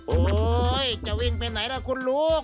โอ้โหจะวิ่งไปไหนล่ะคุณลูก